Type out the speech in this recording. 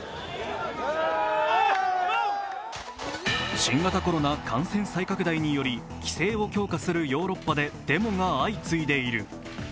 新型コロナ感染再拡大により規制を強化するヨーロッパでデモが相次いでいる。